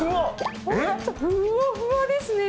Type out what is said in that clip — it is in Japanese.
ふわふわですね